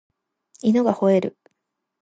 犬が吠える